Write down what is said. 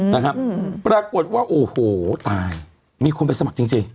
นะครับปรากฏว่าโอ้โหตายมีคนไปสมัครจริงจริง